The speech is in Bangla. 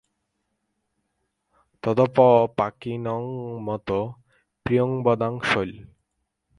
– তদপ্যপাকীর্ণমতঃ প্রিয়ংবদাং– শৈল।